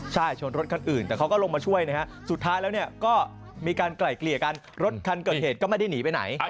ใช่ชนรถคันอื่นแต่เขาก็ลงมาช่วยนะฮะสุดท้ายแล้วก็มีการไกล่เกลี่ยกันรถคันเกิดเหตุก็ไม่ได้หนีไปไหน